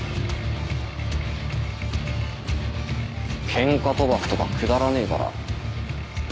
ケンカ賭博とかくだらねえから。